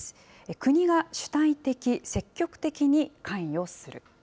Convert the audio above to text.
国が主体的・積極的に関与する。